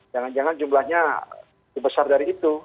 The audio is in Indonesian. jangan jangan jumlahnya lebih besar dari itu